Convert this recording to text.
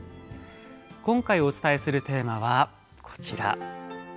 今回お伝えするテーマはこちら。